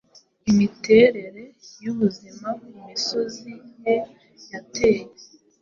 imiterere yubuzima kumisozi ye yataye